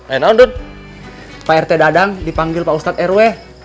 renote pak rt dadang dipanggil pak ustadz rw